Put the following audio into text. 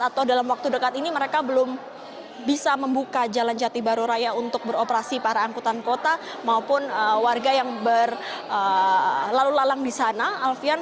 atau dalam waktu dekat ini mereka belum bisa membuka jalan jati baru raya untuk beroperasi para angkutan kota maupun warga yang berlalu lalang di sana alfian